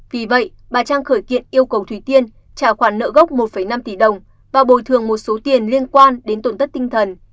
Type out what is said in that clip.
vì vậy bà trang khởi kiện yêu cầu thủy tiên trả khoản nợ gốc một năm tỷ đồng và bồi thường một số tiền liên quan đến tổn thất tinh thần